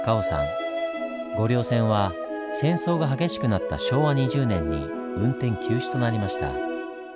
御陵線は戦争が激しくなった昭和２０年に運転休止となりました。